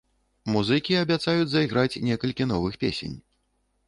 Музыкі абяцаюць зайграць некалькі новых песень.